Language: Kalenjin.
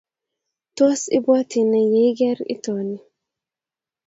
ts ibwoti nee yeigeer itooni